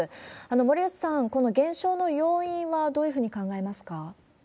森内さん、この減少の要因はどういうふうに考えますか？